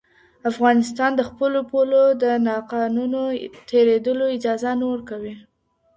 افغانستان د خپلو پولو د ناقانونه تېرېدلو اجازه نه ورکوي.